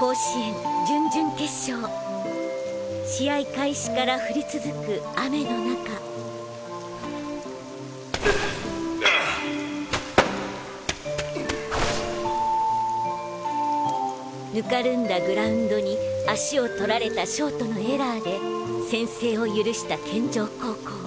甲子園準々決勝試合開始から降り続く雨の中ぬかるんだグラウンドに足をとられたショートのエラーで先制を許した健丈高校。